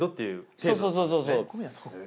そうそうそうそうそう。